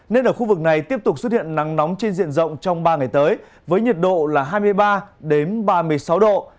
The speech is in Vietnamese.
ngày tiếp tục xuất hiện nắng nóng trên diện rộng trong ba ngày tới với nhiệt độ là hai mươi ba ba mươi sáu độ